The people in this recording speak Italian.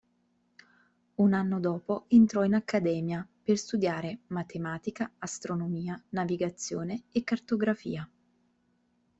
Un anno dopo entrò in accademia, per studiare matematica, astronomia, navigazione e cartografia.